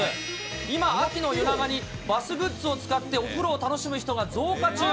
今、秋の夜長にバスグッズを使ってお風呂を楽しむ人が増加中。